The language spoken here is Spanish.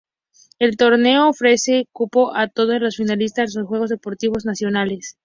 El torneo ofrece cupo a todos los finalistas a los Juegos Deportivos Nacionales.